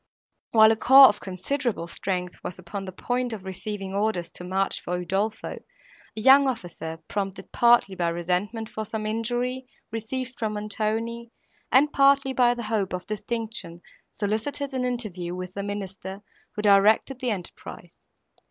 While a corps of considerable strength was upon the point of receiving orders to march for Udolpho, a young officer, prompted partly by resentment, for some injury, received from Montoni, and partly by the hope of distinction, solicited an interview with the Minister, who directed the enterprise.